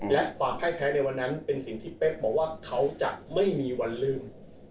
และความพ่ายแพ้ในวันนั้นเป็นสิ่งที่เป๊กบอกว่าเขาจะไม่มีวันลืม